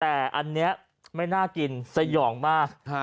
แต่อันนี้ไม่น่ากินสยองมาก